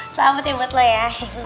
selamat ya buat lo ya